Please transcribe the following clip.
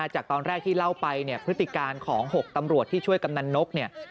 จากตอนแรกที่เล่าไปเนี่ยพฤติการของ๖ตำรวจที่ช่วยกำนันนกเนี่ย